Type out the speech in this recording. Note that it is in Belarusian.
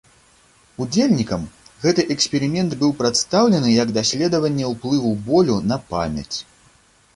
Удзельнікам гэты эксперымент быў прадстаўлены як даследаванне ўплыву болю на памяць.